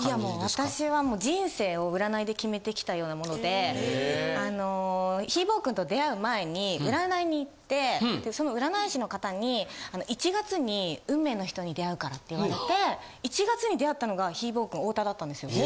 私は人生を占いで決めてきたようなものでひーぼぉくんと出会う前に占いに行ってその占い師の方に１月に運命の人に出会うからって言われて１月に出会ったのがひーぼぉくん太田だったんですよ。